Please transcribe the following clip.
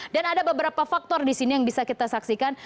dan ada beberapa faktor di sini yang bisa kita saksikan